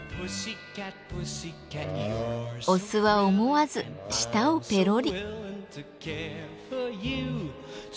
オスは思わず舌をペロリ。